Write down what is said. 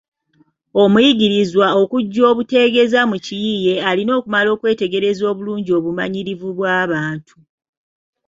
Omuyiiyizwa okujja obutegeeza mu kiyiiye alina kumala kwetegereza bulungi obumanyirivu bw’abantu.